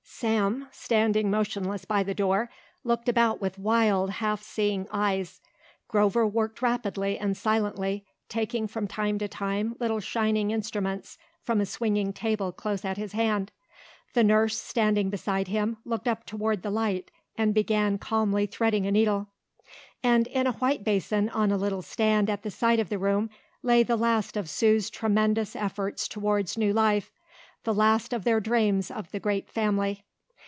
Sam, standing motionless by the door, looked about with wild, half seeing eyes. Grover worked rapidly and silently, taking from time to time little shining instruments from a swinging table close at his hand. The nurse standing beside him looked up toward the light and began calmly threading a needle. And in a white basin on a little stand at the side of the room lay the last of Sue's tremendous efforts toward new life, the last of their dreams of the great family.